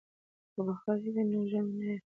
که بخارۍ وي نو ژمی نه یخیږي.